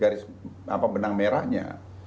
garis apa benang merahnya